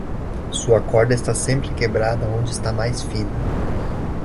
Sua corda está sempre quebrada onde está mais fina.